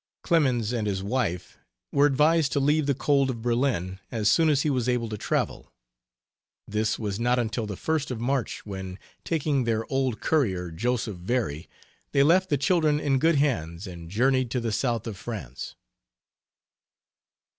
Clemens and his wife were advised to leave the cold of Berlin as soon as he was able to travel. This was not until the first of March, when, taking their old courier, Joseph Very, they left the children in good hands and journeyed to the south of France.